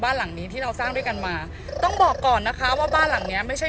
บ้านหลังนี้ที่เราสร้างด้วยกันมาต้องบอกก่อนนะคะว่าบ้านหลังเนี้ยไม่ใช่